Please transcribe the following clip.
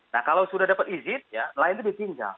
nah kalau sudah dapat izin lainnya dipinggang